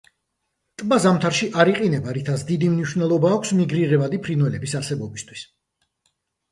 ტბა ზამთარში არ იყინება, რითაც დიდი მნიშვნელობა აქვს მიგრირებადი ფრინველების არსებობისთვის.